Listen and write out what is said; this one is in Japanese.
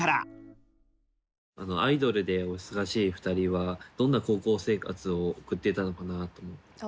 アイドルでお忙しい二人はどんな高校生活を送っていたのかなと思って。